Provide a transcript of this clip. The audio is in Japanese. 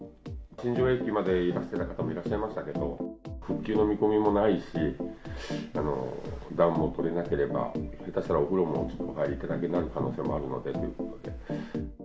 新庄駅までいらしてた方もいらっしゃいましたけど、復旧の見込みもないし、暖もとれなければ、下手したらお風呂もお入りいただけなくなる可能性もあるので。